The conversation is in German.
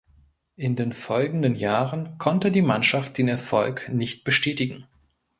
In den folgenden Jahren konnte die Mannschaft den Erfolg nicht bestätigen.